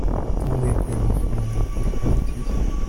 tom yakuye amafaranga kuri konti ye